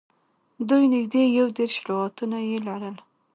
دوی نږدې یو دېرش لغاتونه یې لرل